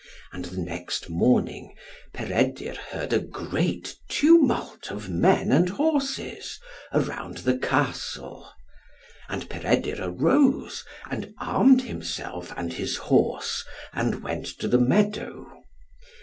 And the next morning Peredur heard a great tumult of men and horses around the Castle. And Peredur arose, and armed himself and his horse, and went to the meadow.